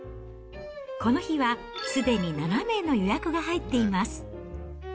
この日は、すでに７名の予約が入っています。